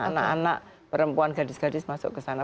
anak anak perempuan gadis gadis masuk ke sana